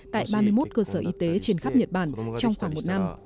tại ba mươi một cơ sở y tế trên khắp nhật bản trong khoảng một năm